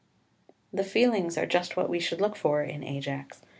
The feelings are just what we should look for in Ajax.